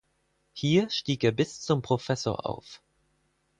Hier stieg er bis zum Professor auf.